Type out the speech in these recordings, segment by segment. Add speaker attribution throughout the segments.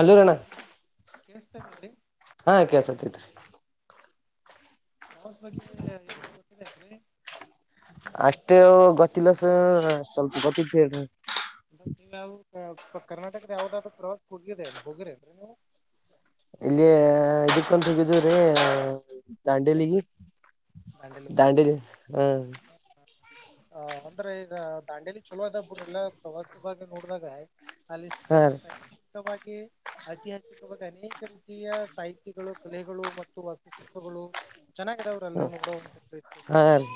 Speaker 1: ಅಲ್ಲೂರಣ್ಣ.
Speaker 2: ಕೇಳಿಸ್ತಾಇದೆ ರೀ
Speaker 1: ಹಾ ಕೆಲಸತೈತೆ.
Speaker 2: ಪ್ರವಸ್ ಬಗ್ಗೆ ಏನದ್ರೂ ಗೊತ್ತ್.
Speaker 1: ಅಷ್ಟು ಗೊತ್ತಿಲ್ಲ ಸರ್ ಸ್ವಲ್ಪ ಗೊತ್ತಿತ್ತು ಹೇಳ್ರಿ.
Speaker 2: ನಾವು. ಕರ್ನಾಟಕದ ಯಾವ್ದಾದ್ರರು ಪ್ರವಾಸ ಹೊಗ್ಯದೆ ಅ ಹೋಗಿರೆನ್ರಿ.
Speaker 1: ಇಲ್ಲಿ ಇದಕ್ಕಂತ ಹೋಗಿದಿವ್ರೀ. ದಾಂಡೇಲಿಗಿ
Speaker 2: ಎಲ್ರಿ
Speaker 1: ದಾಂಡೇಲಿ ಹಾ.
Speaker 2: ಹ ಅಂದ್ರೆ ಈಗ ದಾಂಡೆಲಿ ಚಲೋ ಅದ ಬುಡ್ರ ಎಲ್ಲಾ ಪ್ರವಾಸಿ ಭಾಗ ನೋಡ್ದಾಗ. ಅಲ್ಲಿ [inaudible]
Speaker 1: ಹಾ ರೀ
Speaker 2: ಶೈಕ್ಷವಾಗಿ. ಹಾಗೆ ಐತಿಹಾಸಿಕವಾಗಿ ಅನೇಕ ರೀತಿಯ ಸಾಹಿತ್ಯಗಳು ಕಲೆಗಳು ಮತ್ತು ವಾಸ್ತುಶಿಲ್ಪಗಳು. ಚೆನ್ನಾಗಿದವ್ರಿ ಅಲ್ಲೂ ನೋಡವು
Speaker 1: ಹಾ ರೀ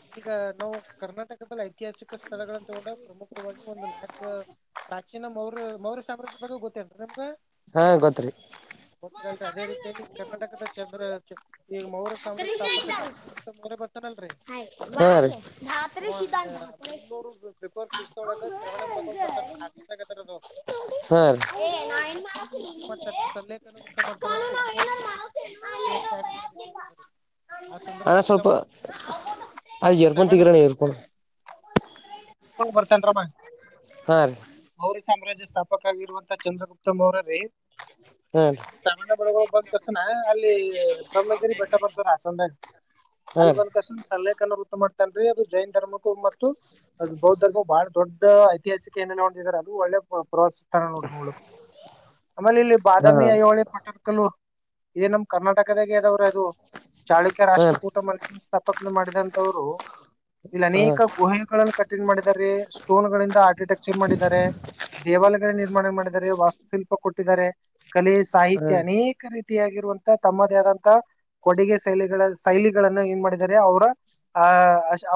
Speaker 2: [inaudible] ಈಗ ನಾವು ಕರ್ನಾಟಕದಲ್ಲಿ ಐತಿಹಾಸಿಕ ಸ್ಥಳಗಳಂತ ಹೊದಾಗ. ಪ್ರಮುಖವಾಗಿ ಒಂದು ನಲ್ಕು ಟ್ರ್ಯಾಕ್, ಚಿ ಮೌರ್ಯ ಮೌರ್ಯ ಸಾಮ್ರಾಜ್ಯ ಬಗ್ಗೆ ಗೊತ್ತೇ ಅಂತ ನಿಮ್ಗ,
Speaker 1: ಹಾ ಗೊತ್ರಿ
Speaker 2: ಹೋಗ್ತಲ್ಲಿಲ್ರಿ ಅದೇ ರೀತಿಯಲ್ಲಿ ಕರ್ನಾಟಕದ ಜನ. ಜೆಬ್ರವರಿ ಕೀತ್, ಈಗ ಮೌರ ಸಾಮ್ರಾ, ಸ್ಪಪಕ ಚಿ [inaudible] ಮರೆ ಬರ್ತಾನಲ್ರರಿ, ಆ, ಮುನ್ನೂರು ಬಿಫೋರ್ ಕ್ರಿಸ್ತೊಳಗ ಶ್ರವಣ ಬೆಳಗೊಳ ಬರ್ತಾನ ಹಾಸನದಾಗ ಅದಾರ ಅದು ಅಲ್ಲಿ ಬಂದ ತಕ್ಷಣ ಏನ್ ಮಾಡ್ತಾನ್ರಿ ಸಲ್ಲೇಖನ ವೃತ್ತ ಮಾಡ್ತಾನಂದ್ರ ಉಪವಾಸ ಮಾಡ್ಕೊಂಡು ದೇಹ ತ್ಯಾಗ
Speaker 1: [unintelligible]
Speaker 2: ಮಾಡೋದು ಆ ಸಂದರ್ಭ
Speaker 1: ಅಣ್ಣ ಸ್ವಲ್ಪ
Speaker 2: ವಾಲುವ [inaudible]
Speaker 1: [unintelligible]
Speaker 2: ಹೋಗಿ ಬರ್ತೇನ್ರಮ್ಮ.
Speaker 1: ಹಾ ರೀ.
Speaker 2: ಪುರಿ ಸಾಮ್ರಾಜ್ಯ ಸ್ಥಾಪಕ ಆಗಿರುವಂತ ಚಂದ್ರಗುಪ್ತಮ ಮೌರ್ಯರಿ,
Speaker 1: ಹಾ
Speaker 2: ಶ್ರಾವಣ ಬೆಳಗೋಳ ಬಂದ ತಸಣ ಅಲ್ಲಿ, ಪ್ರಮಗಿರಿ ಬೆಟ್ಟ ಬರ್ತರಾಸಂದ ಆ
Speaker 1: ರೀ
Speaker 2: ಬಂದಕಸ ಸಲ್ಲೇ, ವೃತ ಮಾಡ್ತನ್. ಅದು ಜೈನ್ ಧರ್ಮಕ್ಕೂ ಮತ್ತು, ಅದು ಬೌದ್ಧ ಬಾಳ ದೊಡ್ಡ. ಐತಿಹಾಸಿಕ ಏಲ್ಲ ಹೊದ್ದಾರೆ ಅದು ಒಳ್ಳೆ ಪ್ರೊಸ್, ತರ ನೋಡ್ರಿ ನೋಡಕ್ ಆಮೇಲೆ ಇಲ್ಲಿ
Speaker 1: ಹಾ
Speaker 2: ಬಾದಾಮಿ
Speaker 1: ರೀ
Speaker 2: ಐಹೋಳಿ ಪಟ್ಟದ ಕಲ್ಲೂ, ಇ ನಮ್ ಕರ್ನಾಟಕ, ಇಂಡಿಯಾದಾಗೆ ಅದವೇರ್ರಿ ಅದು ಚಾಳಿಕ್ಯ,
Speaker 1: ಹಾ ಹಾ ರೀ
Speaker 2: ರಾಷ್ಟ್ರಕೂಟ ಮ ಸ್ಥಾಪಕ. ಣ್ಯ ಮಾಡಿದಂತವ್ರು, ಇಲ್ಲಿ
Speaker 1: ಹಾ
Speaker 2: ಅನೇಕ ಗುಹೆಗಳನ್ನು ಕಠಿಣ್ ಮಾಡಿದ್ದಾರೆ ಸ್ಟೋನ್ ಗಳಿಂದ ಆರ್ಕಿಟೆಕ್ಚರ್ ಮಾಡಿದ್ದಾರೆ. ದೇವಾಲಯಗಳ ನಿರ್ಮಾಣ ಮಾಡಿದ್ದಾರೆ. ವಾಸ್ತು, ಶಿಲ್ಪ ಕೊಟ್ಟಿದ್ದಾರೆ. ಕಲೆ
Speaker 1: ಹಾ
Speaker 2: ಸಾಹಿತ್ಯ ಅನೇಕ ರೀತಿ, ಅತಿಗಿರುವಂದ್. ತಮ್ಮದೇ ಆದಂತ ಕೊಡುಗೆ ಶೈಲಿಗಳ ಶೈಲಿನ್ನ ಏನ್ ಮಾಡಿದಿದ್ದಾರೆ. ಅವರ ಆ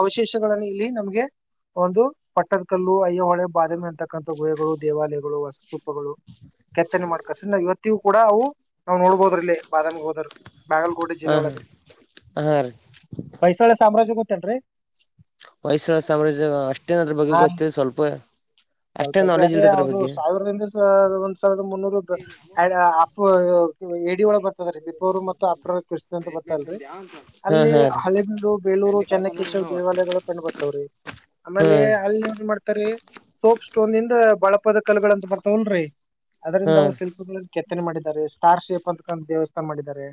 Speaker 2: ಅವಶೇಷನ್ನ ಇಲ್ಲಿ ನಮ್ಗೆ ಒಂದು ಪಟ್ಟದ ಕಲ್ಲು ಅಯ್ಯೋಹೊಳೆ ಬಾದಾಮಿ ಅಂತ, ಇಕ್ಕಂತ ಗುಹೆಗಳು ದೇವಾಲಯಗಳು, ವಾಸ್, ತುಪ್ಪಗಳು ಕೆತ್ತನೆ ಮಾಡ್ಕಸಿ ಇವತ್ತಿ. ಕೂಡ ಅವು ನಾವು ನೋಡ್ಬೋದ್ರಲ್ಲಿ. ಬಾದಾಮಿ ಹೋದರು ಬಾಗಲಕೋಟೆ
Speaker 1: ಹಾ
Speaker 2: ಜಿಲ್ಲೆ
Speaker 1: ಹಾ
Speaker 2: ಒಳಗ ರಿ
Speaker 1: ಹಾ ರೀ
Speaker 2: ಹೊಯ್ಸಳ ಸಾಮ್ರಾಜ್ಯ. ತೇನ್ರೀ.
Speaker 1: ಹೋಯ್ಸಳ ಸಾಮ್ರಾಜ್ಯ ಅಷ್ಟೇನದ್ರ ಬಗ್ಗೆ ಗೊತ್ತ ಸ್ವಲ್ಪ. ಅಷ್ಟೇ
Speaker 2: ಸ್ಲ್ತಲ್ರರಿ
Speaker 1: ನಾಲೆಜ್
Speaker 2: ಅದೇ
Speaker 1: ಇಲ್ರಿ ಅದ್ರ
Speaker 2: ಅವರು
Speaker 1: ಬಗ್ಗೆ
Speaker 2: ಸಾವಿರಂದ ಒಂದ್ ಸಾವಿರದ ಮುನ್ನೂರು [unintelligible] ಈವಾಗ್ ಎಡಿ ಒಳ ಬ ದೀಪವರು ಮತ್ತು ಅಪ್ರ ಕ್ರಿಸ್ತ ಅಂತ ಬರ್ತಲ್ರರಿ
Speaker 1: ಹಾ
Speaker 2: ಅಲ್ಲಿ
Speaker 1: ಹಾ ರೀ
Speaker 2: ಹಲೆಬೀಡು ಬೇಲೂರು ಚನ್ನಕೇಶವ ದೇವಾಲಯಗಳು ಕಂಡ ಬರ್ತವ್ರಿ ಆಮೇಲೆ ಅಲ್ಲಿ ಏನ್ ಮಾಡ್ತಾರಿ. ಹುಪ್ ಸ್ಟೋನಿಂದ್ ಬಳಪದ ಕಲ್ಗಳಂತ ಬರ್ತಾವಲ್ರರಿ.
Speaker 1: ಹಾ
Speaker 2: ಅದ್ರಿಂದ
Speaker 1: ಹಾ
Speaker 2: ಅವು ಸಿಲ್ಪುರ್ಲ್ಲಿ ಕೆ. ವರ್ನೆ ಮಾಡಿದ್ದಾರೆ ಸ್ಟಾರ್ ಶೇಪ್ ಅಂತಕ ದೇವಸ್ಥಾನ ಮಾಡಿದಾರೆ.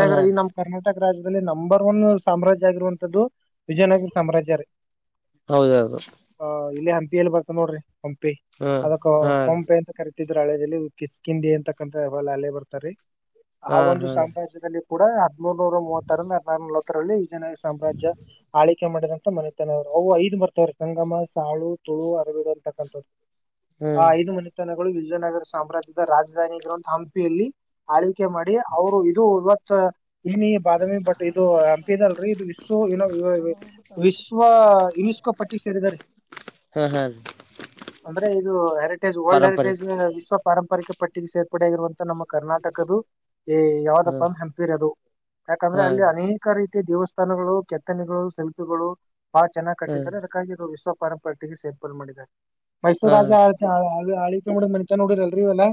Speaker 1: ಹಾ
Speaker 2: ಈ ನಮ್ಮ್ ಕರ್ನಾಟಕ್ ರಾಜ್ಯದಲ್ಲಿ ನಂಬರ್ ಒನ್ ಸಾಮ್ರಾಜ್ಯ ಆಗಿರುವಂತದ್ದು. ವಿಜಯನಗರ ಸಾಮ್ರಾಜ್ಯ ರೀ
Speaker 1: ಹೌದೌದು
Speaker 2: ಆ. ಇಲ್ಲಾನ್ ಕೇಳ್ಬೇಕು ನೋಡ್ರಿ. ಹಂಪಿ
Speaker 1: ಹಾ
Speaker 2: ಅದಕ್ಕ
Speaker 1: ಹಾ ರೀ
Speaker 2: ಕೊಂಪೆ ಅಂತ ಕರಿ ಇದ್ರ ಹಳೆದಲ್ಲಿ ಕಿಸ್ಕಂಡಿ ಅಂತಕ್ಕಂತ ಅಲೆ ಬರ್ತಾರ್ರಿ. ಆ
Speaker 1: ಹಾ
Speaker 2: ಒಂದು
Speaker 1: ಹಾ
Speaker 2: ಸಾಮ್ರಾಜ್ಯದಲ್ಲಿ ಕೊಡೊದೆ ಆಪ್ ಮುನ್ನುರಾ ಮೂವತ್ತ ತರ [unintelligible] ಪ್ರಳಿ. ಜನ ಸಾಮ್ರಾಜ್ಯ ಆಳಿ ಮಾಡಿದಂತ ಮನತಾನೆ ಅವರು ಅವು ಐದ್ ಮರ್ತವ್ರರು ಸಂಗಮ ಸಾಳು. ತುಳು ಅರಬಡ ಅಂತಕ್ಕಂಥ್ದು. ಆ
Speaker 1: ಹ್ಮ್
Speaker 2: ಐದು ಮನೆತನ. ವಿಜಯನಗರ ಸಾಮ್ರಾಜ್ಯದ ರಾಜಧಾನಿಗಿ ಅಂಪಿಯಲ್ಲಿ ಆಳಿ ಕೆ ಮಾಡಿ ಅವರು ಇದು ಇವತ್ ತಾವ. ಇಲ್ಲಿ ಬಾದಾಮಿ ಬಟ್ ಇದು ಹಂಪಲ್ರರಿ ಇದು ವಿಶ್ವಏನೋ ವಿಶ್ವ ಯನಿಸ್ಕೋ ಪಟ್ಟಿ ಸೇರಿದ ರೀ
Speaker 1: ಹಾ ಹಾ ರೀ
Speaker 2: ಅಂದ್ರೆ ಇದು ಹೆರಿಟೇಜ್ ವರ್ಲ್ಡ್
Speaker 1: ಪಾರಂಪರಿಕ
Speaker 2: ಹೆರಿಟೇಜ್ ವಿಶ್ವ ಪಾರಂಪರಿಕ ಪಟ್ಟಿಗೆ ಸೇರ್ಪಡೆಯಾಗಿರುವ ನಮ್ಮ ಕರ್ನಾಟಕದು
Speaker 1: ಹಾ
Speaker 2: ಯಾವ್ದಪ್ಪ ಅಂದ ಹೆಂಪಿರ ಅದು ಯಾಕಂದ್ರೆ
Speaker 1: ಹಾ
Speaker 2: ಅಲ್ಲಿ
Speaker 1: ರೀ
Speaker 2: ಅನೇಕ ರೀ ತ್ತೆ ದೇವಸ್ಥಾನಗಳು ಕೆತ್ತನೆಗಳು ಶಲ್ಪಿಗಳು. ಬಾಳ ಚೆನ್ನ್ ಕಟ್ಟಿದ್ದಾರೆ
Speaker 1: ಹಾ
Speaker 2: ಅದಕ್ಕಾಗಿ ಇದು ವಿಶ್ವ. ಪಟ್ಟಿಗೆ ಸೇರ್ಪಡ್ ಮಾಡಿದ್ದಾರೆ. ಮೈಸೂರ
Speaker 1: ಹಾ
Speaker 2: ರಾಜಾ
Speaker 1: ರೀ
Speaker 2: [unintelligible] [unintelligible] ನೋಡಿರಲ್ರಿ ಎಲ್ಲ.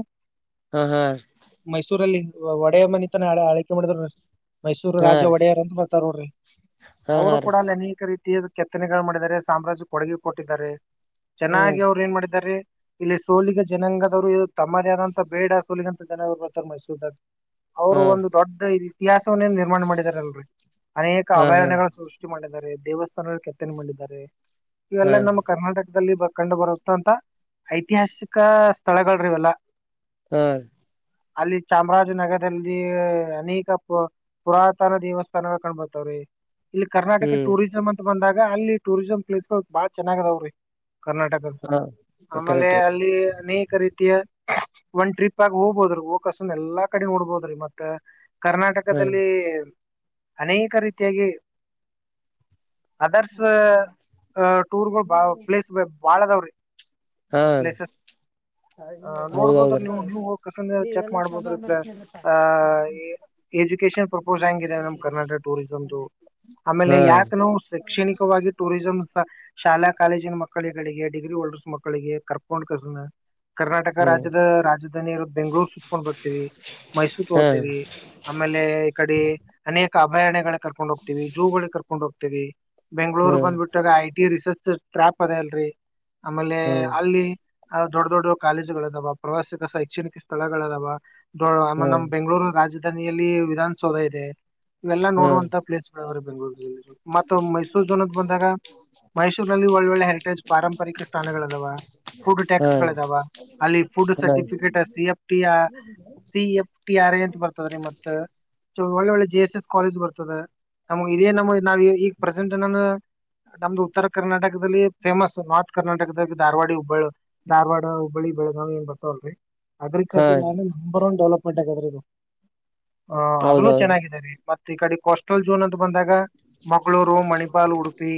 Speaker 1: ಹಾ ಹಾ ರೀ
Speaker 2: ಮೈಸೂರಲ್ಲಿ ಇವಾಗ್ ಒಡೆೆಯ ಮನಿ ತಾನ ಆಳ್ ಆಳ್ಕೆ ಮಾಡಿದ್ರು. ಮೈಸೂರು
Speaker 1: ಹಾ
Speaker 2: ರಾಜ
Speaker 1: ರೀ
Speaker 2: ಒಡೆಯರ್ ಅಂತ್ ಗೊತ್ತ್. ತರ್ರೋರಿ
Speaker 1: ಹಾ
Speaker 2: ಅವರು
Speaker 1: ಹಾ ರೀ
Speaker 2: ಕೂಡ ಲೆನಿಕರಿ. ತ್ತಿ ಕೆತ್ತನೆಗಳು ಮಾಡಿದ್ದಾರೆ ಸಾಮ್ರಾಜ್ಯ ಕೊಡುಗೆ. ಕೊಟ್ಟಿದ್ದಾರೆ. ಚೆನ್ನಾಗಿ ಅವರು ಏನ್ ಮಾಡಿದಾರೆ. ಇಲ್ಲಿ ಸೋಲಿಗೆ ಜನಾಂಗದವರು ಹೇ ತಮ್ಮದೇ ಆದಂತ ಬೇಡ ಸೋಲಿಗಂತ ಜನರು ಬರ್ತಾರ ಮೈಸೂರ್ದಾಗ.
Speaker 1: ಹಾ ಹಾ ಹಾ
Speaker 2: ಅವರು ಒಂದ್ ದೊಡ್ಡ ಇದ್. ಇತಿಹಾಸವನ್ನೇನ್ ನಿರ್ಮಾಣ ಮಾಡಿದಾರಲ್ರರಿ. ಅನೇಕ
Speaker 1: ಹಾ ಹಾ
Speaker 2: ಅಭರಣ್ಯಗಳು ಸೃಷ್ಟಿ ಮಾಡಿದ್ದಾರೆ. ದೇವಸ್ಥಾನಗಳ ಕೆತ್ತನೆ ಮಾಡಿದ್ದಾರೆ.
Speaker 1: ಹಾ
Speaker 2: ಇವೆಲ್ಲಾ ನಮ್ಮ್ ಕರ್ನಾಟಕದಲ್ಲಿ ಬ. ಕಂಡು ಬರುತ್ತಂತ ಐತಿಹಾಸಿಕ ಸ್ಥಳಗಳ್ರಿವೆಲ್ಲ.
Speaker 1: ಹ್ಮ
Speaker 2: ಅಲ್ಲಿ ಚಾಮರಾಜನಗರದಲ್ಲಿ ಅನೇಕ ಪು ಪುರಾತನ ದೇವಸ್ಥಾನಗಳ ಕಂಡ್ ಬರ್ತಾವ್ರಿ. ಇಲ್ಲಿ ಕರ್ನಾಟಕ
Speaker 1: ಹ್ಮ್
Speaker 2: ಟೂರಿಸಂ ಅಂತ ಬಂದಾಗ್. ಅಲ್ಲಿಟೂರಿಸಂ ಪ್ಲೇಸ್ಗಳು. ಬಾಳ ಚೆನ್ನಾಗದಾವ್ರಿ. ಕರ್ನಾಟಕ
Speaker 1: ಹಾ
Speaker 2: ಆಮೇಲೆ
Speaker 1: ಕರೆಕ್ಟ್
Speaker 2: ಅಲ್ಲಿ ಅನೇಕ ರೀತಿಯ. ಒಂದ್ ಟ್ರಿಪ್ ಆಗಿ ಹೋಗ್ಬೋದ್ರಿ ಹೋಗ್ ಕಾಸಿಂದ್ ಎಲ್ಲಾ ಕಡೆ ನೋಡ್ಬೋದ್ರಿ ಮತ್ತ.
Speaker 1: ರೀ
Speaker 2: ಕರ್ನಾಟಕದಲ್ಲಿ ಅನೇಕ ರೀತಿಯಾಗಿ ಅದರ್ಸ್ ಟೂರ್ ಗಳು ಬಳ್ ಪ್ಲೇಸ್ ವೆಬ್. ಬಾಳದವ್ರಿ.
Speaker 1: ಹಾ ಹಾ
Speaker 2: ಪ್ಲೇಸಸ್ ಅ ನೋಡ್ಬೋದ್ರ
Speaker 1: ಹೌದೌದ್ರೀ
Speaker 2: ನೀವು ನೀವು ಕಸ ಚೆಕ್ ಮಾಡ್ಬೋದ್ರೀ ಅ ಎಜುಕೇಶನ್ ಪರ್ಪೋಸ್ ಹೆಂಗಿದವ ನಮ್ ಕರ್ನಾಟಕ ಟೂರಿಸಮ್ದು ಆಮೇಲೆ
Speaker 1: ಹಾ
Speaker 2: ಯಾಕೆ ನಾವು ಶೈಕ್ಷಣಿಕವಾಗಿ ಟೂರಿಸಂ್. ಶಾಲಾ ಕಾಲೇಜಿನ ಮಕ್ಕಳಿಗಳಿಗೆ ಡಿಗ್ರಿ ಹೋಲ್ಡರ್ಸ್ ಮಕ್ಕಳಿಗೆ ಕರ್ಕೊಂಡ್ ಕಸನ್. ಕರ್ನಾಟಕ
Speaker 1: ಹ್ಮ್
Speaker 2: ರಾಜ್ಯದ ರಾಜಧಾನಿ ಇರೋದ ಬೆಂಗ್ಗಳೂರ್ ಸುತ್ಕೊಂಡ್ ಬರ್ತೇವಿ ಮೈಸೂರ್
Speaker 1: ಹಾ
Speaker 2: ಹೋಗ್ತೇವಿ ಆಮೇಲೆ ಈ ಕಡೆ ಅನೇಕ. ಕಬಾಯಣಗಳು. ಕರ್ಕೊಂಡ ಹೋಗ್ೀವಿ ಜೂಗಳ ಕರ್ಕೊಂಡ್. ಬಿ. ಬೆಂಗಳೂರು
Speaker 1: ಹ್ಮ್
Speaker 2: ಬಂದ್ಬಟ್ಟು. ಇಡಿ ರಿಸರ್ಚ್ ಟ್ರ್ಯಾಪ್ ಅದೇ ಅಲ್ರಿ. ಆಮೇಲೆ
Speaker 1: ಹ್ಮ್
Speaker 2: ಅಲ್ಲಿ. ಅ ದೊಡ್ಡ ದೊಡ್ಡ ಕಾಲೇಜುಗಳುದಾವ ಪ್ರವಾಸಿತ ಶೈಕ್ಷಣಿಕ ಸ್ಥಳಗಳದಾವ. [inaudible]
Speaker 1: ಹ್ಮ್
Speaker 2: ನಮ್ಮ್ ಬೆಂ್ಗಳೂರು ರಾಜ್ಯಾ. ಟನಿಯಲ್ಲಿ ವಿಧಾನಸೌಧ ಇದೆ. ಇವೆಲ್ಲಾ
Speaker 1: ಹ್ಮ್
Speaker 2: ನೋಡುವಂತ ಪ್ಲೇಸ್ಗಳು ಅವ. ಬೆಂಗೂಲ್ ಜಿಲ್ಲ. ಮತ್ತ ಮೈಸೂರ್ ಜಝೋನ್ದ ಬಂದಾಗ. ಮೈಸೂರ್ನಲ್ಲಿ ಒಳ್ಳೊಳ್ಳೆ ಹೆರಿಟೇಜ್ ಪಾರಂಪರಿಕ ಸ್ಥಾನಗಳ ಇದಾವ ಫುಡ್
Speaker 1: ಹಾ
Speaker 2: ಟ್ಯಾಕ್ಸ್ ಗಳ ಇದಾವ ಅಲ್ಲಿ ಫುಡ್
Speaker 1: ಹಾ
Speaker 2: certificate C ಎಫ್ಟ C F T R A ಅಂತ ಬರ್ತದ್ರೀ ಮತ್ತ. ಒಳ್ಳೆ ಒಳ್ಳೆ ಜೆ ಎಸ್ ಎಸ್ ಕಾಲೇಜ್ ಬರ್ತದೆ ನಮ ಇದೇ ನಮ್ಮ. ನಾವ ಈಗ ಪ್ರೆಸೆಂಟ್ಏನಾನ. ನಮ್ದು ಉತ್ತರ ಕರ್ನಾಟಕದಲ್ಲಿ ಫೇಮಸ್ ನಾರ್ತ್ ಕರ್ನಾಟಕದ ಧಾರವಾಡಿ ಹುಬ್ಬಳ ಧಾರವಾಡ ಹುಬ್ಬಳ್ಳಿ ಬೆಳಗಾವಿ ಏನ್ ಬರ್ತಾವಲ್ರರಿ.
Speaker 1: ಹಾ
Speaker 2: ಅಗ್ರಿಕಲ್ಚರ್ ನ ನಂಬರ್ ಒನ್ ಡೆಲಪ್. ಪಟ್ಟಕಾದ್ರೆ ಇದು. ಹ ಅದನ್ನು
Speaker 1: ಹೌದೌದು
Speaker 2: ಚೆನ್ನಾಗಿದ್ದಾರೆ ಮತ್ತೆ ಈ ಕಡೆ. ಕಷ್ಟ. [unintelligible] ಜೂನ್ ಅಂತ ಬಂದಾಗ ಮಂಗಳೂರು ಮಣಿಪಾಲ್ ಉಡುಪಿ.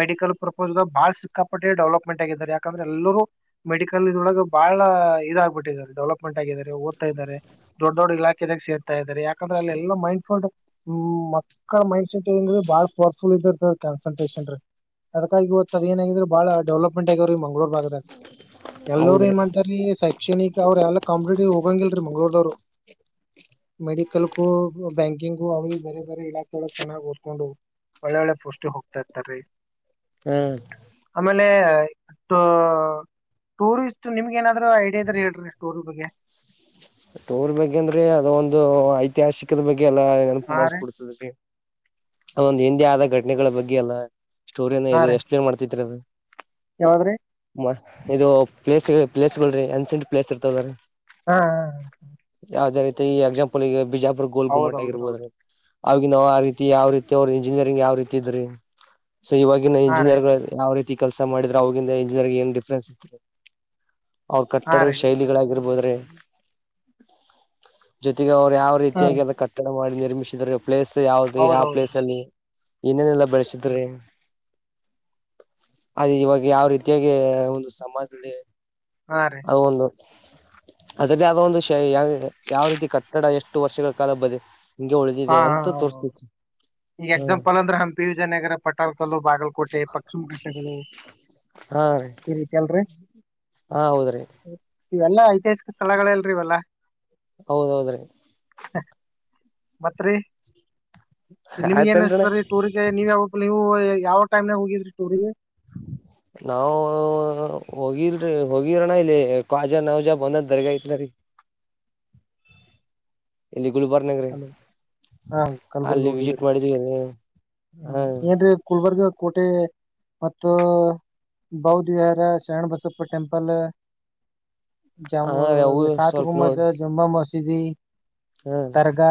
Speaker 2: ಮೆಡಿಕಲ್ ಪ್ರರ್ಪೋಸ್ಾಗ ಬಾಳ ಸಿಕ್ಕಾಪಟ್ಟೆ ಡೆವಲಪ್ಮೆಂಟ್ ಆಗಿದ್ದಾರೆ ಯಾಕಂದ್ರೆ ಎಲ್ಲರೂ ಮೆಡಿಕಲ್ ಇದೊಳಗ ಬಾಳ ಇದಾಗಗ್ಬಿಟ್ಟಿದ್ದಾರೆ ಡೆವಲಪ್ಮೆಂಟ್ ಆಗಿದ್ದಾರೆ ಓದತ ಇದಾರೆ ದೊಡ್ಡ ದೊಡ್ಡ ಇಲಾಖೆದಾಗ ಸೇರ್ತಾ ಇದಾರೆ ಯಾಕಂದ್ರೆ ಅಲ್ಲ ಎಲ್ಲ ಮೈಂಡ್ ಸೆಟ್ ಮಕ್ಕಳ ಮೈಂಡ್ೆಟ್ ಬಹಳ್ ಪವರ್ಫುಲ್ ಇದ ಇರ್ತ ಕನ್. ಸಂತೋಷನ್ರಿ ಅದಕ್ಕಾಗಿ ಇವತ್ತು ಅದ ಏನಗಿದ್ರ ಬಹಳ ಡೆವಲಪ್ಮೆಂಟ್ ಆಗ್ಯಾವ್ರ ಈ ಮಂಗಂಗಳೂರುಾಗ. ಎಲ್ಲೋ
Speaker 1: ಹೌದ್ರಿ
Speaker 2: ಏನ್ ಮಾಡ್ತಾರ ಶೈಕ್ಷಣಿಕ ಅವ್ರ ಎಲ್ಲಾ ಕಾಂಪಿಟೇಟಿವ್. ಹೋಗಂಗಲ್ರರಿ ಮಂಗ್ಳೂರ್ವರು ಮೆಡಿಕಲ್ಗು ಬ್ಯಾಂಕಿಂಗು ಅವ ಬೇರೆ ಬೇರೆ ಇಲಾಖೆ ಚೆನ್ನ್ ಓದ್ಕೊಂಡು ಒಳ್ಳೆ ಒಳ್ಳೆ ಪೋಸ್ಟ ಹೋಗ. ತ್ತತಾರೆ.
Speaker 1: ಹ
Speaker 2: ಆಮೇಲೆ ಟೂ ಟೂರಿಸ್ಟ್ ನಿಮ್ಗೆ ಏನಾದ್ರೂ ಐಡಿಯಾ ಇದ್ರ ಹೇಳ್ರಿ ಟೂರ್ ಬಗ್ಗೆ.
Speaker 1: ಟೂರ್ ಬಗ್ಗೆ ಅಂದ್ರೆ ಅದು ಒಂದು ಐತಿಹಾಸಿಕದ ಬಗ್ ಗೆಲ್ಲಾ ನೆನಪು
Speaker 2: ಹಾ
Speaker 1: ಮಾಡ್ಸಕ
Speaker 2: ರೀ
Speaker 1: ಕೊಡ್ತದ್ರಿ ಒಂದು ಹಿಂದೆ ಆದ ಘಟನೆಗಳ ಬಗ್ಗೆ ಎಲ ಸ್ಟೋರಿನ ಇದೆ ಎಸ್ಪ್ಲೇನ್ ಮಾಡ್ತೈತ್ರಿ ಅದು.
Speaker 2: ಯಾವದ್ರೀ
Speaker 1: ಇದು ಪ್ಲೇಸ್ ಪ್ಲೇಸ್ಗಳು ರೀ ಎನ್ಸೆಂಟ್ ಪ್ಲೇಸ್ ಇರ್ತದ ರೀ
Speaker 2: ಹಾ
Speaker 1: ಯಾವ್ದೇ ರೀತಿ ಈ ಎಕ್ಸಾಂಪಲ್ ಈಗ ಬಿಜಾ ಪುರ್ ಗೋಲ್ ಗುಮ್ಮಟ್
Speaker 2: ಹೌದೌದ್ರಿ
Speaker 1: ಆಗಿರ್ಬೋದ್ರೀ
Speaker 2: ಹೌದ್ರಿ
Speaker 1: ಅವಗನವು ಆ ರೀತಿ ಯಾವ್ ರೀತಿ ಅವ್ರ ಇಂಜಿನಿಯರಿಂಗ್ ಯಾವ್ ರೀತಿ ಇದ್ರಿ ಸೊ ಇವಾಗಿನ
Speaker 2: ಹಾ ರೀ
Speaker 1: ಎಂಜಿನಿಯರ್ಗಳ್ ಯಾವ್ ರಿ ತಿ ಕೆಲ್ಸ ಮಾಡಿದ್ರ ಅವಗಿಂದ ಇಂಜಿನಿಯರ್ ಏನ್ ಡಿಫ್ರೆನ್ಸ್ [unintelligible] ಅವ್ರ
Speaker 2: ಹಾ
Speaker 1: ಕಟ್ಟಡ
Speaker 2: ರೀ
Speaker 1: ಶೈಲಿಗಳಾಗಿರ್ಬಹದ ರ [unintelligible] ಜೊತೆಗೆ ಅವ ಯಾವ
Speaker 2: ಹಾ
Speaker 1: ರೀತಿಯಾಗಿ
Speaker 2: ರೀ
Speaker 1: ಅದು ಕಟ್ಟ ಮಾಡಿ ನಿರ್ಮಿಸಿದರೆ ಪ್ಲೇಸ್ ಯಾವ್ದು ಯಾವ್
Speaker 2: ಹೌದೌದ್ರಿ
Speaker 1: ಪ್ಲೇಸ್
Speaker 2: ಹೌದು
Speaker 1: ಅಲ್ಲಿ ಏನೇನೆಲ್ಲ ಬಳಸಿದ್ರಿ [unintelligible] ಅದ್ ಇವಗ ಯಾವ್ ರೀತಿಯಾಗಿ ಒಂದು ಸಮಾಜದ
Speaker 2: ಹಾ ರೀ
Speaker 1: ಆ ಒಂದು [unintelligible] ಅದರದ್ದೇ ಆದ ಒಂದು ಶಾ ಯಾ ಯಾವ್ ರೀತಿ ಕಟ್ಟಡ ಎಷ್ಟು ವರ್ಷಗಳ ಕಾಲ ಬದಿ ಹಿಂಗೆ
Speaker 2: ಹಾ
Speaker 1: ಉಳಿದಿದೆ
Speaker 2: ಹಾ
Speaker 1: ಅಂತ
Speaker 2: ಹ
Speaker 1: ತೋರ್ಸ್ತೈತಿ
Speaker 2: ಈಗ್
Speaker 1: ಹ್ಮ್
Speaker 2: ಎಕ್ಸಾಂಪಲ್ ಅಂದ್ರೆ ಹಂಪಿ ವಿಜಯನಗರ ಪಟಾಳ್ಕಲ್ಲು ಬಾಗಲಕೋಟೆ ಪಶ್ಚಿಮ ಘಟ್ಟಗಳು [unintelligible]
Speaker 1: ಹಾ ರೀ
Speaker 2: ಈ ರೀತಲ್ರಿ
Speaker 1: ಹಾ ಹೌದ್ರೀ
Speaker 2: ಇವೆಲ್ಲಾ ಐತಿಹಾಸಿಕ ಸ್ಥಳಗಳಲ್ರಿ ಇವೆಲ್ಲ
Speaker 1: ಹೌದೌದ್ರೀ
Speaker 2: ಹ ಮತ್ರಿ ನಿಮ್ಗೆ ಏನ್
Speaker 1: ಆಯ್ತೇನ್ರಣ್ಣ
Speaker 2: ಅನ್ಸುತ್ರಿ ಟೂರಿಗ್ ನೀವ್ ಯಾವ ನೀವು ಯಾವ ಟೈಮ್ನಾಗ ಹೋಗಿದ್ರಿ ಟೂರಿಗೆ?
Speaker 1: ನಾವು ಹೋಗಿಲ್ರಿ ಹೋಗಿರೋಣ ಇಲ್ಲಿ ಕ್ವಾಜ ನೌಜ ಬಂದದ ದರ್ಗ ಏತ್ಲರೀ ಇಲ್ಲಿ. ಗುಲ್ಬರ್ನಾಗ್ರಿ
Speaker 2: ಹಲೋ ಹಾ ಕಲ್ಬರ್ಗ
Speaker 1: ಅಲ್ಲಿ ವಿಸಿಟ್
Speaker 2: ಹೋಗಿದ್ರೀ
Speaker 1: ಮಾಡಿದ್ವಿ ಹಾ
Speaker 2: ಏನ್ರೀ ಗುಲ್ಬರ್ಗ ಕೋಟೆ ಮತ್ತು ಬೌಧ್ವಿಹಾರ ಶರಣಬಸಪ್ಪ ಟೆಂಪಲು
Speaker 1: ಹಾ
Speaker 2: ಜಾಮು
Speaker 1: ರೀ ಅವು
Speaker 2: ಸಾತ್
Speaker 1: ಸ್ವಲ್ಪ ನೋಡ್
Speaker 2: ಗುಂಭಸ್ಸು ಜಮ್ಮ ಮಸ್ ತಿದ್ವಿ.
Speaker 1: ಹಾ
Speaker 2: ದರ್ಗಾ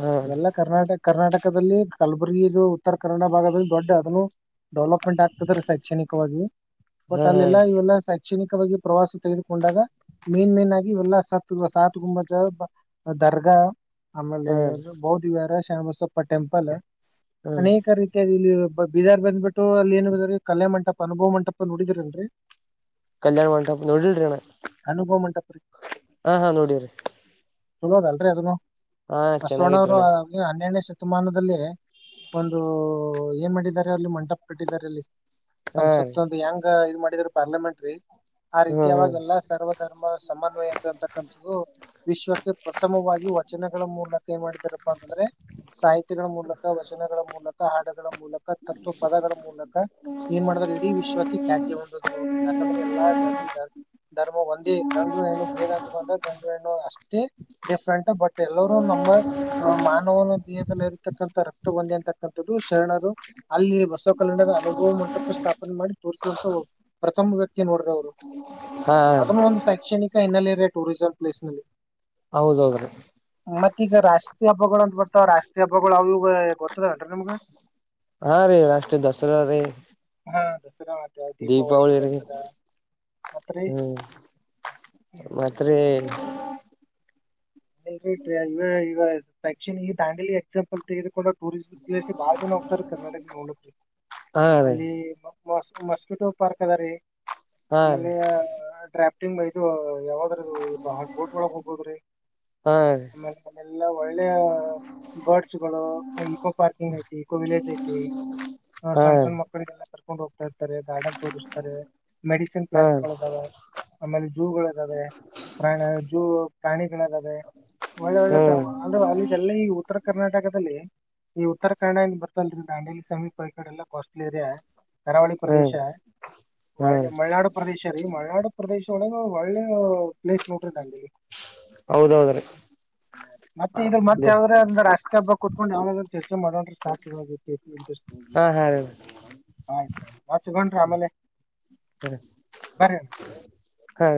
Speaker 1: ಹಾ
Speaker 2: ಇವೆಲ್ಲ ಕರ್ನಾಟಕ್- ಕರ್ನಾಟಕದಲ್ಲಿ ಕಲ್ಬುರಗಿದು ಉತ್ತರ ಕನ್ನಡ ಭಾಗದಲ್ಲಿ ದೊಡ್ಡ ಅದನ್ನು ಡೆವಲಪ್ಮೆಂಟ್ ಆಗ್ತದೆ ರೀ ಶೈಕ್ಷಣಿಕವಾಗಿ. ಬಟ್
Speaker 1: ಹಾ ಹಾ
Speaker 2: ಅಲ್ಲೆಲ್ಲ
Speaker 1: ರೀ
Speaker 2: ಇವೆಲ್ಲಾ ಸೖಕ್ ಶೈಕ್ಷಣಿಕವಾಗಿ ಪ್ರವಾಸ ತೆಗೆದುಕೊಂಡಾಗ ಮೇನ್ ಮೇನಾಗಿ ಇವೆಲ್ಲ ಸಾತ್ ಸಾತ್ ಗುಂಬಜು ಅದ್ ಅದ್ ದರ್ಗಾ ಆಮೇಲೆ
Speaker 1: ಹಾ ರೀ
Speaker 2: ಬೌಧ್ಧ್ವಿಹಾರ ಶರಣಬಸಪ್ಪ ಟೆಂಪಲು.
Speaker 1: ಹಾ
Speaker 2: ಅನೇಕ ರೀತಿಯಾದಲ್ಲಿ ಬಟ್ ಬೀದಾರ್ ಬಂದ್ಬಿಟ್ಟು ಅಲ್ಲಿ ಏನು ಅದೆರಿ ಕಲ್ಯಾಣ್ ಮಂಟಪ ಅನುಭವ್ ಮಂಟಪ ನೋಡಿದಿರಲ್ರಿ.
Speaker 1: ಕಲ್ಯಾಣ್ ಮಂಟಪ್ ನೋಡಿಲ್ರಿ ಅಣ್ಣ
Speaker 2: ಅನುಭವ ಮಂಟಪ ರೀ
Speaker 1: ಹಾ ಹಾ ನೋಡಿವ್ರಿ.
Speaker 2: ಚಲೋದ್ ಅಲ್ರೀ ಅದುನು.
Speaker 1: ಹಾ
Speaker 2: ಬಸವಣ್ಣವ್ರು
Speaker 1: ಚೆನ್ನಾಗೈತ್ರಿಣ್ಣ
Speaker 2: ಅದಿ ಹನ್ನೆರಡ್ನೇ ಶತ್ ಶತಮಾನದಲ್ಲಿ ಒಂದು ಏನ್ ಮಾಡಿದ್ದಾರೆ ಅಲ್ಲಿ ಮಂಟಪ್ ಕಟ್ಟಿದ್ದಾರೆ ಅಲ್ಲಿ.
Speaker 1: ಹಾ ರೀ
Speaker 2: ಸಂಸತ್ ಅಂದ್ರೆ ಹೆಂಗ ಇದ್ ಮಾಡ್ ಇದ್ರ್ ಪಾರ್ಲಮೆಂಟ್ರಿ. ಆ
Speaker 1: ಹ್ಮ
Speaker 2: ರೀತಿ
Speaker 1: ಹ್ಮ
Speaker 2: ಅವಾಗೆಲ್ಲಾ ಸರ್ವಧರ್ಮ ಸಮನ್ವಯ ಅಂತ ಅಂತಕ್ಕಂಥದ್ದು ವಿಶ್ವ ಗೆ ಪ್ರಥಮವಾಗಿ ವಚನಗಳ ಮೂಲಕ ಏನ್ ಮಾಡಿದಾರಪ್ಪಾ ಅಂತಂದ್ರೆ ಸಾಹಿತಿಗಳ ಮೂಲಕ ವಚನಗಳ ಮೂಲಕ ಹಾಡುಗಳ ಮೂಲಕ ತತ್ವ ಪದಗಳ ಮೂಲಕ ಏನ್ ಮಾಡಿದ್ರು ಇಡೀ ವಿಶ್ವಕ್ಕೆ ಖ್ಯಾತಿ ಹೊಂದುದ್ರು ಅವ್ರು, ಯಾಕಂದ್ರೆ ಎಲ್ಲಾ ಜಾತಿ ಧರ್ಮ ಒಂದೇ ಗಂಡು ಹೆಣ್ಣು ಬೇದ ಅಂತ ಬಂದಾಗ ಗಂಡು ಹೆಣ್ಣು ಅಷ್ಟ್ ತೆ ದಿ ಫ್ರಂಟ [unintelligible] ತ್ತೆಲ್ಲಾರೂ ನಂಬ ಅ ಮಾನವನ ದೇಹದಲ್ಲಿ ಇರತಕ್ಕಂಥ ರಕ್ತ ಬಂದಿ ಅಂತಕ್ಕಂಥದ್ದು ಶರಣರು ಅಲ್ಲಿ ಬ ಚ್ಚ ಕನ್ನಡದ ಅನುಭವ ಮಂಟಪ ಸ್ಥಾಪ್ ಬಂದ ಮಾಡಿ ತೋರ್ಸಂತವು ಪ್ರಥಮ್ ವ್ಯಕ್ತಿ ನೋಡ್ರಿ ಅವ್ರು.
Speaker 1: ಹಾ
Speaker 2: ಅದುನ್ನು ಒಂದು ಸ್ಯೆಕ್ಷಣಿಕ ಹಿನ್ನೆಲೆ. ರೆ ಟೂರಿಝಲ್ ಪ್ಲೇಸ್ ನಲ್ಲಿ.
Speaker 1: ಔದೌದ್ರೀ
Speaker 2: ಮತ್ತ ಈಗ ರಾಷ್ಟ್ರೀಯ ಹಬ್ಬಗಳು ಅಂತ ಬರ್ತಾವ ರಾಷ್ಟ್ರೀ ಹಬ್ಬಗಳು ಅವಯಿವ ಗೊತ್ತದೇಲ್ರೀ ನಿಮ್ಗ.
Speaker 1: ಹಾ ರೀ ರಾಷ್ಟ್ರೀ ದಸರಾ ರೀ.
Speaker 2: ಹಾ ದಸರಾ. ಮತ್ತ ದೀಪಾವಳಿ
Speaker 1: ದೀಪಾವಳಿರಿ
Speaker 2: ದಸರಾ ಮತ್ರಿ
Speaker 1: ಹ್ಮ್ ಮತ್ತ್ರಿ.
Speaker 2: ಎನ್ಟ್ರಿ [unintelligible] ಫ್ಯಾಕ್ಚುನಿ ಈ ದಾಂಡಲಿ ಎಕ್ಸಾಂಪಲ್ ತೆಗೆದುಕೊಂಡ ಹೋಗ್. ಟೂರಿಸ್ ಪ್ಲೇಸು ಬಾಳ ಜನೋಹೊಗ್ತಾರೆಬ. ಕರ್ನಾಟಕ ನೋಡ ಅಪ್ಪಿ.
Speaker 1: ಹಾ ರೀ
Speaker 2: ಅಲ್ಲಿ ಪಂಪ್. ಮ್ಟಾಸ್ ಮಸ್ಕಿಟೋ ಪಾರ್ಕ್ ಅದಾ ರೀ.
Speaker 1: ಹಾ ರೀ
Speaker 2: ಆಮೇಲೆಯಾ ಟ್ರ್ಯಾಪ್. ತ್ತಿಂಮ ಇದು ಯಾವಾಗದ್ರು ಈ ಬಹ ಬೋಟ್ ಒಳಗ ಹೋಗ್ಬೋಹದ್ರಿ.
Speaker 1: ಹಾ ರೀ
Speaker 2: ಆಮೇಲೆ ಎಲ್ಲಾ ಒಳ್ಳೆಯ ಬಡ್ಸ್. ಪಶುಗಳೊ. ಇಕೋ ಪಾರ್ಕಿಂಗ್ ಐತಿ ಇಕೋ ವಿಲೆಜ್ ಐತಿ ಹಾ ಸಣ್ಣ ಸಣ್ಣ ಮಕ್ಕಳಿಗೆಲ್ಲಾ. ಕರ್ಕೊಂಡ್ ಹೋಗ್ತಾ ಇರ್ತಾರೆ ಗಾರ್ಡನ್ ತೋರುಸ್ತಾರೆ. ಮೆಡಿಸೆನ್
Speaker 1: ಹಾ
Speaker 2: ಫ್ಲ್ಯಾಟ್ಸುಗಳುಅದಾವಾ. ಆಮೇಲೆ ಜೂಗಳು ಇದಾವೆ ಪ್ರಣ ಜೂ ಪ್ರಾಣಿಗಳ ಅದವೆ. ಲೇ. ಒಳ್ಳೆ ಒಳ್ಳೆ ಟೈಮ
Speaker 1: ಹ್ಮ್
Speaker 2: ಆಲು ಅಲ್ಲಿ ದಲ್ಲೈ ಉ. ಉತ್ತರ ಕರ್ನಾಟಕದಲ್ಲಿ ಈ ಉತ್ತರ ಕನ್ನಡಾ ಏನ್ ಬರ್ತಲ್ರಿ ದಾಂಡೇಲಿ ಸಮೀಪ ಈ ಕಡೆಲ್ಲ ಕೋಸ್ಟಲ್ ಏರಿಯಾ. ಕರಾವಳಿ ಪ್ರದೇಶ
Speaker 1: ಹ್ಮ್ ಹ್ಮ್
Speaker 2: ಒಳ್ಳೆ ಮಲೆನಾಡು ಪ್ರದೇಶ. ಟ್ಟರಿ ಮಳನಾಡು ಪ್ರದೇಶ ಒಳಗ ಒಳ್ಳೆವ ಪ್ಲೇಸ್ ನೋಡ್ರಿ ದಾಂಡೇಲ್ಲಿ.
Speaker 1: ಹೌದೌದ್ರಿ
Speaker 2: ಮತ್ತೆ ಇದು ಮತ್ತ ಯಾವ್ರ ಹಂಗರ ರಾಷ್ಟ್ರ ಹಬ್ಬಕ. ಕೊಟ್ಕೊಂಡ ಯಾವಾಗಾದ್ರು ಚರ್ಚೆ ಮಾಡನ್ ರಿ ಸಾಕು ಹೋಗೈತಿ [unintelligible]
Speaker 1: ಅಹ ಹಾರೀದ
Speaker 2: ಆಯ್ತ ಟೈಮ್ ಹಚ್ಚಗೊಂಡ್ರ ಆಮೇಲೆ.
Speaker 1: ತ್ತದ.
Speaker 2: ಬರ್ರೀ ಅನ್.
Speaker 1: ಹಾ